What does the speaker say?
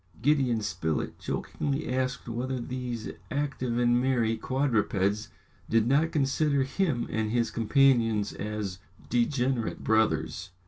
Gideon Spilett jokingly asked whether these active and merry quadrupeds did not consider him and his companions as degenerate brothers.